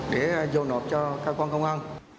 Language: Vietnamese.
để giao nộp cho cơ quan công an